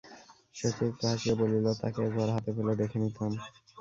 শশী একটু হাসিয়া বলিল, তাকে একবার হাতে পেলে দেখে নিতাম।